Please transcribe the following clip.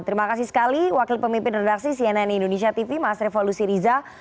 terima kasih sekali wakil pemimpin redaksi cnn indonesia tv mas revo lusiriza